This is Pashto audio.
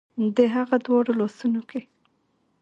د هغه دواړو لاسونو کې